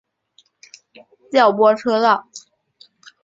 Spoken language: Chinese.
调拨车道。